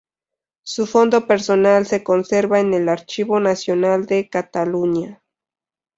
Su fondo personal se conserva en el Archivo Nacional de Cataluña.